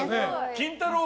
キンタロー。